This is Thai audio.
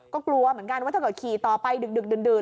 ก็กลัวเหมือนกันว่าถ้าเกิดขี่ต่อไปดึกดื่น